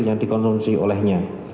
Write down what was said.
yang dikonsumsi olehnya